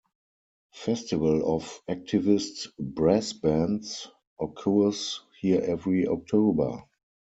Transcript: Festival of activist brass bands occurs here every October.